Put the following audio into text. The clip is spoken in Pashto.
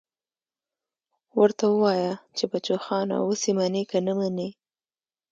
ورته ووايه چې بچوخانه اوس يې منې که نه منې.